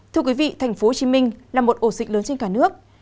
thưa quý vị tp hcm là một ổ dịch lớn trên cả nước